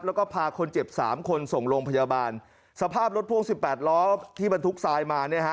แล้วก็พาคนเจ็บสามคนส่งโรงพยาบาลสภาพรถพ่วงสิบแปดล้อที่บรรทุกทรายมาเนี่ยฮะ